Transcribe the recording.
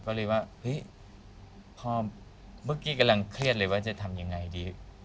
ก็เลยว่าเฮ้ยพ่อเมื่อกี้กำลังเครียดเลยว่าจะทำยังไงดี